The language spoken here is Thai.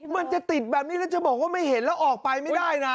มันจะติดแบบนี้แล้วจะบอกว่าไม่เห็นแล้วออกไปไม่ได้นะ